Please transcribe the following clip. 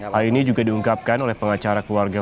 hal ini juga diungkapkan oleh pengacara keluarga